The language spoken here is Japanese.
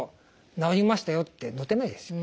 「治りましたよ」って載ってないですよね。